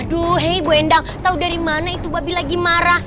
aduh hey bu endang tahu dari mana itu babi lagi marah